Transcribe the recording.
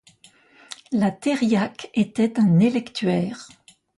La thériaque était un électuaire.